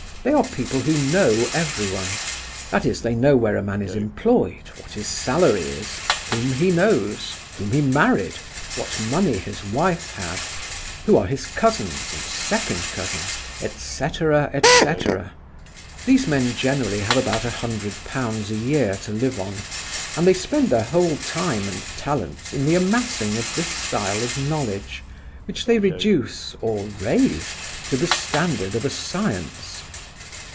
They are people who know everyone—that is, they know where a man is employed, what his salary is, whom he knows, whom he married, what money his wife had, who are his cousins, and second cousins, etc., etc. These men generally have about a hundred pounds a year to live on, and they spend their whole time and talents in the amassing of this style of knowledge, which they reduce—or raise—to the standard of a science.